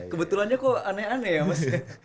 kebetulannya kok aneh aneh ya mas ya